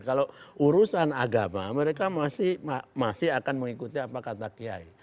kalau urusan agama mereka masih akan mengikuti apa kata kiai